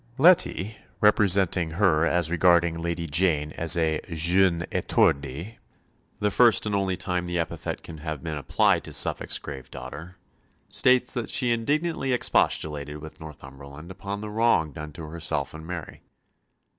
Leti, representing her as regarding Lady Jane as a jeune étourdie the first and only time the epithet can have been applied to Suffolk's grave daughter states that she indignantly expostulated with Northumberland upon the wrong done to herself and Mary.